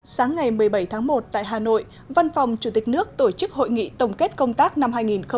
sáng ngày một mươi bảy tháng một tại hà nội văn phòng chủ tịch nước tổ chức hội nghị tổng kết công tác năm hai nghìn một mươi chín